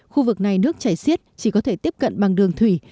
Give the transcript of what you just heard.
khu vực này nước chảy xiết chỉ có thể tiếp cận bằng đường thủy